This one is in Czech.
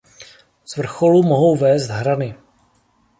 Z vrcholu mohou vést hrany.